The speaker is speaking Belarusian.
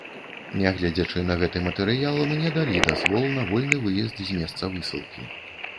Нягледзячы на гэты матэрыял, мне далі дазвол на вольны выезд з месца высылкі.